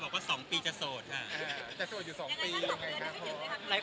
บอกว่า๒ปีจะโสดค่ะจะโสดอยู่๒ปียังไงครับผม